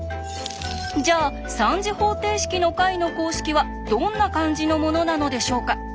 じゃあ３次方程式の解の公式はどんな感じのものなのでしょうか？